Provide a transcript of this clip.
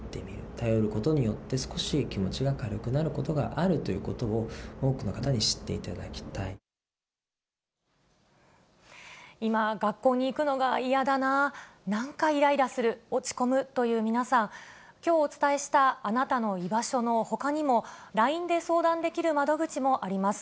頼ることによって、少し気持ちが軽くなることがあるということを、多くの方に知って今、学校に行くのが嫌だな、なんかいらいらする、落ち込むという皆さん、きょうお伝えしたあなたのいばしょのほかにも、ＬＩＮＥで相談できる窓口もあります。